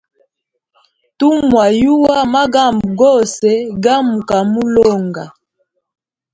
Tumwayuwa magambo gose gamukamulonga.